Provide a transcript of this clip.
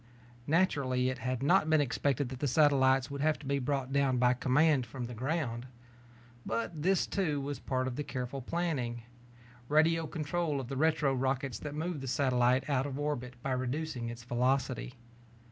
Naturally, it had not been expected that the satellites would have to be brought down by command from the ground. But this, too, was part of the careful planning radio control of the retro rockets that move the satellite out of orbit by reducing its velocity.